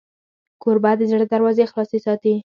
کوربه د زړه دروازې خلاصې ساتي.